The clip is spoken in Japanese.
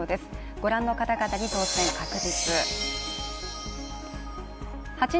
ご覧の方々に、当選確実。